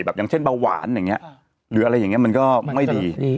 อย่างเช่นเบาหวานอย่างนี้หรืออะไรอย่างนี้มันก็ไม่ดี